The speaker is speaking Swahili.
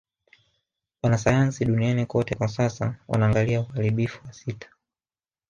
Wanasayansi duniani kote kwa sasa wanaangalia uharibifu wa sita